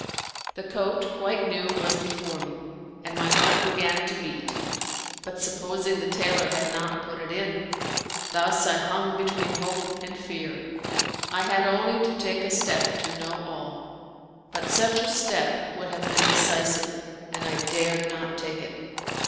The coat, quite new, was before me, and my heart began to beat, but supposing the tailor had not put it in! Thus I hung between hope and fear. I had only to take a step to know all; but such a step would have been decisive, and I dared not take it.